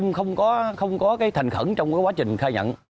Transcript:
không có cái thành khẩn trong quá trình khai nhận